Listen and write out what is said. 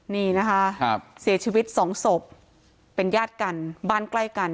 นี่นะคะเสียชีวิตสองศพเป็นญาติกันบ้านใกล้กัน